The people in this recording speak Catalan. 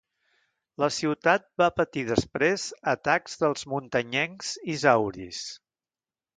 La ciutat va patir després atacs dels muntanyencs isauris.